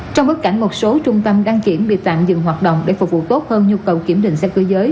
trong bối cảnh một số trung tâm đăng kiểm bị tạm dừng hoạt động để phục vụ tốt hơn nhu cầu kiểm định xe cơ giới